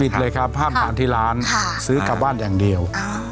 เลยครับห้ามทานที่ร้านซื้อกลับบ้านอย่างเดียว